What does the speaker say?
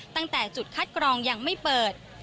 ตั้งแต่จุดคัดกรองยังไม่เปิด